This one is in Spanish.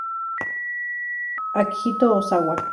Akihito Ozawa